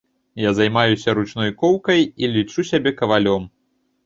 Я займаюся ручной коўкай і лічу сябе кавалём.